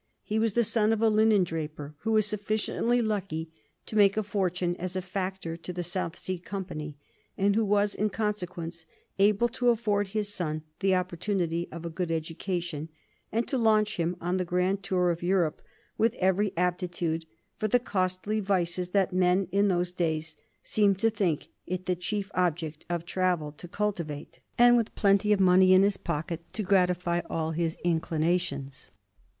He was the son of a linen draper who was sufficiently lucky to make a fortune as a factor to the South Sea Company, and who was, in consequence, able to afford his son the opportunity of a good education, and to launch him on the grand tour of Europe with every aptitude for the costly vices that men in those days seemed to think it the chief object of travel to cultivate, and with plenty of money in his pocket to gratify all his inclinations.